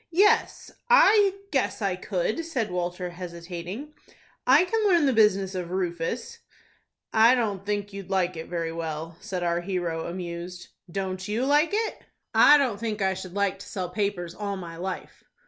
"Yes, I guess I could," said Walter, hesitating, "I can learn the business of Rufus." "I don't think you'd like it very well," said our hero, amused. "Don't you like it?" "I don't think I should like to sell papers all my life."